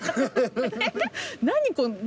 何？